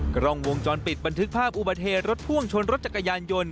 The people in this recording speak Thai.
กล้องวงจรปิดบันทึกภาพอุบัติเหตุรถพ่วงชนรถจักรยานยนต์